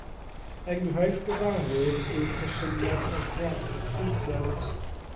Enghraifft gyfarwydd yw'r cysyniad o graff ffwythiant.